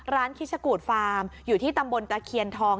คิชกูดฟาร์มอยู่ที่ตำบลตะเคียนทอง